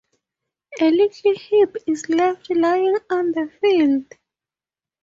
A little heap is left lying on the field.